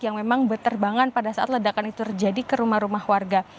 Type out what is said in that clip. yang memang berterbangan pada saat ledakan itu terjadi ke rumah rumah warga